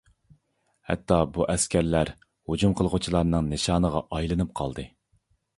ھەتتا بۇ ئەسكەرلەر ھۇجۇم قىلغۇچىلارنىڭ نىشانىغا ئايلىنىپ قالدى.